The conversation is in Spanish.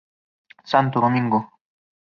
Santo Domingo.